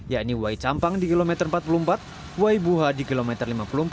yakni wai campang di kilometer empat puluh empat waibuha di kilometer lima puluh empat